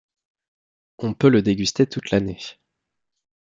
On peut le déguster toute l’année.